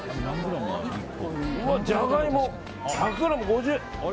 ジャガイモ１００ｇ５０円。